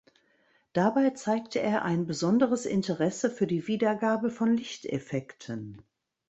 Dabei zeigte er ein besonderes Interesse für die Wiedergabe von Lichteffekten.